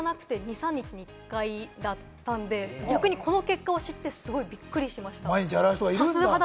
私、洗わなくて、２３日に１回だったので、逆にこの結果を知って、すごいびっくりしました。